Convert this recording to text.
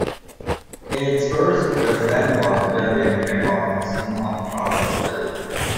Its first president was William J. Robertson of Charlottesville.